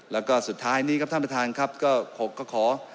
แล้วก็สุดท้ายนี้ครับท่านประธานครับก็ขอ